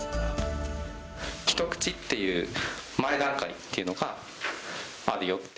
一口っていう前段階っていうのがあるよって。